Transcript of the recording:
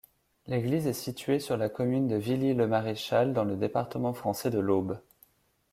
L'église est située sur la commune de Villy-le-Maréchal, dans le département français de l'Aube.